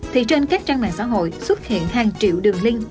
thì trên các trang mạng xã hội xuất hiện hàng triệu đường link